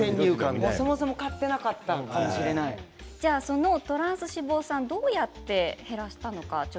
そのトランス脂肪酸はどうやって減らしたのか。